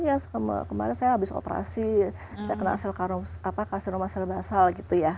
ya kemarin saya habis operasi saya kena karsinoma sel basal gitu ya